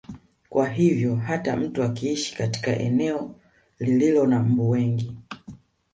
Kwa hivyo hata mtu akiishi katika eneo lililo na mbu wengi